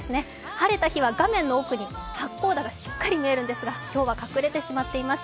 晴れた日は画面の奥に八甲田がしっかり見えるんですが、今日は隠れてしまっています。